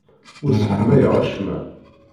Ur sseḥmayeɣ acemma.